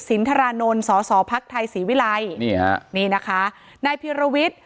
สินธรานนทร์สสพภักษ์ไทยสีวิลัยนี่ฮะนี่นะคะนายพิรวิต